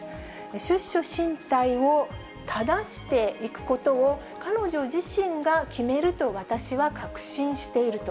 出処進退をただしていくことを彼女自身が決めると私は確信していると。